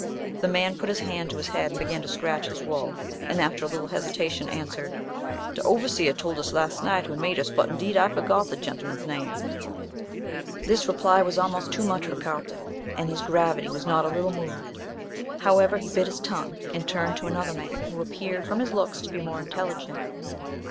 The man put his hand to his head and began to scratch his wool; and, after a little hesitation, answered, "De overseer told us last night who made us, but indeed I forgot the gentmun's name." This reply was almost too much for Carlton, and his gravity was not a little moved. However, he bit his tongue, and turned to another man, who appeared, from his looks, to be more intelligent.